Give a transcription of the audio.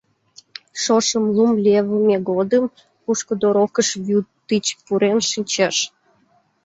Шошым, лум левыме годым, пушкыдо рокыш вӱд тич пурен шинчеш.